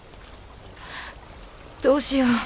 どうしよう。